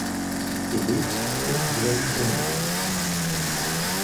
He lives in Zrenjanin.